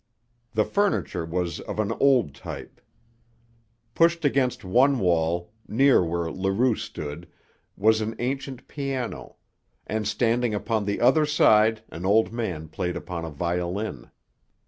The furniture was of an old type. Pushed against one wall, near where Leroux stood, was an ancient piano, and standing upon the other side an old man played upon a violin.